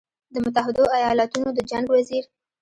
د متحدو ایالتونو د جنګ وزیر